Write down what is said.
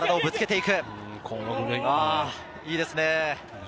いいですね。